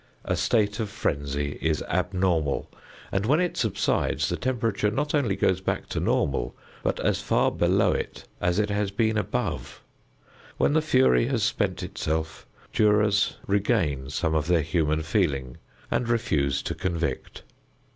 A state of frenzy is abnormal and when it subsides the temperature not only goes back to normal, but as far below as it has been above. When the fury has spent itself jurors regain some of their human feeling and refuse to convict.